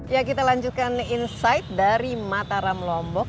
ya kita lanjutkan insight dari mataram lombok